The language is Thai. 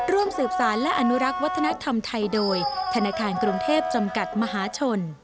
ร่วมสืบสารและอนุรักษ์วัฒนธรรมไทยโดยธนาคารกรุงเทพจำกัดมหาชน